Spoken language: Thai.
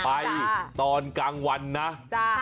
ไปตอนกลางวันนะ